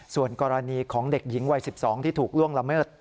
ส่วนกรณีของเด็กหญิงวัย๑๒ที่ถูกล่วงละเมิด